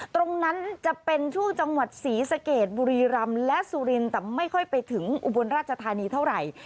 ตรงนั้นจะเป็นช่วงจังหวัดศรีสะเกดบุรีรำและสุรินแต่ไม่ค่อยไปถึงอุบลราชธานีเท่าไหร่